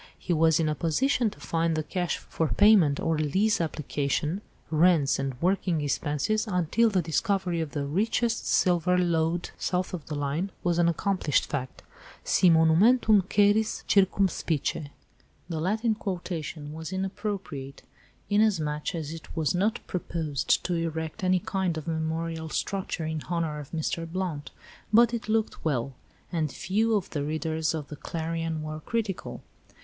He was in a position to find the cash for payment of lease application, rents, and working expenses until the discovery of the richest silver lode south of the line was an accomplished fact. 'Si monumentum queris, circumspice.'" The Latin quotation was inappropriate, inasmuch as it was not proposed to erect any kind of memorial structure in honour of Mr. Blount, but it looked well, and few of the readers of the Clarion were critical.